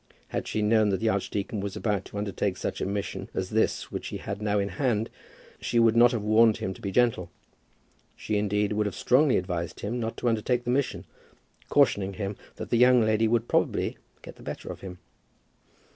Had she known that the archdeacon was about to undertake such a mission as this which he had now in hand, she would not have warned him to be gentle. She, indeed, would have strongly advised him not to undertake the mission, cautioning him that the young lady would probably get the better of him.